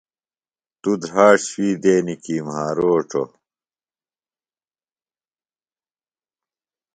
توۡ دھراڇ شوی دینِیۡ کِہ مھاروڇوۡ؟